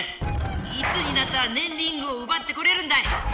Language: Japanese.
いつになったらねんリングをうばってこれるんだい！